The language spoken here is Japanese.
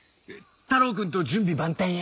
太郎くんと準備万端や。